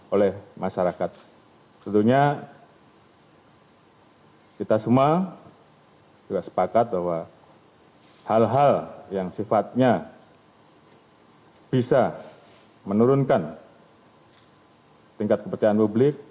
oleh masyarakat tentunya kita semua juga sepakat bahwa hal hal yang sifatnya bisa menurunkan tingkat kepercayaan publik